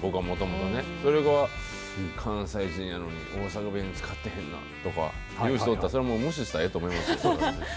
僕はもともとそれが関西人やのに大阪弁、使ってへんなとか言う人おったら無視してええと思います。